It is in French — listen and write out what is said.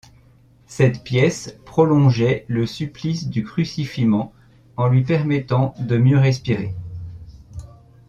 Cette pièce prolongeait le supplice du crucifiement en lui permettant de mieux respirer.